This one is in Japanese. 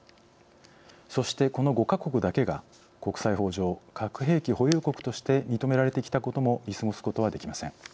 そして、この５か国だけが国際法上、核兵器保有国として認められてきたことも見過ごすことはできません。